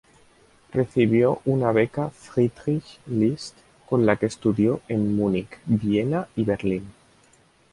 Recibió una beca Friedrich List con la que estudió en Múnich, Viena y Berlín.